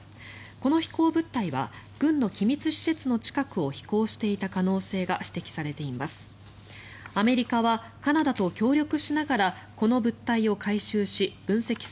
この飛行物体は軍の機密施設の近くを飛行していた可能性が指摘されています。